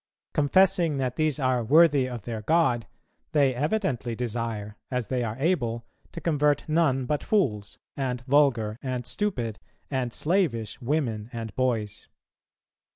Confessing that these are worthy of their God, they evidently desire, as they are able, to convert none but fools, and vulgar, and stupid, and slavish, women and boys."